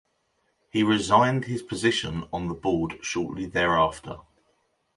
He resigned his position on the board shortly thereafter.